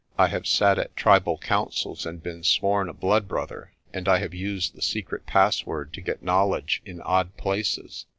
I have sat at tribal councils and been sworn a blood brother, and I have used the secret password to get knowledge in odd places.